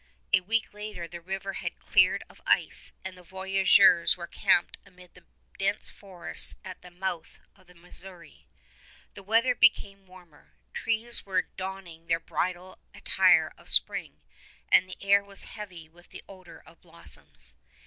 A week later the river had cleared of ice, and the voyageurs were camped amid the dense forests at the mouth of the Missouri. The weather became warmer. Trees were donning their bridal attire of spring and the air was heavy with the odor of blossoms.